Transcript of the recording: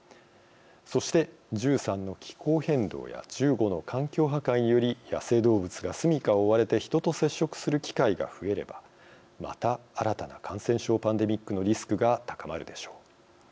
そして、１３の気候変動や１５の環境破壊により野生動物が住みかを追われて人と接触する機会が増えればまた、新たな感染症パンデミックのリスクが高まるでしょう。